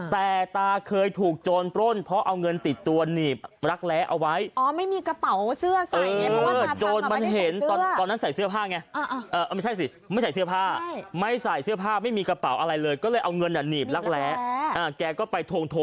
แต่ตาเคยถูกโจรปล้นเพราะเอาเงินติดตัวหนีบรักแร้เอาไว้โจรมันเห็นคุณผู้ชมโจรยิงจนคุณตาบาดเจ็บ